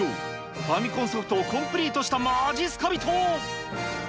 ファミコンソフトをコンプリートしたまじっすか人。